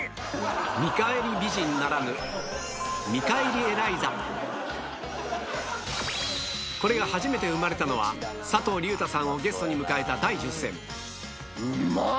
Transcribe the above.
見返り美人ならぬこれが初めて生まれたのは佐藤隆太さんをゲストに迎えた第１０戦うま！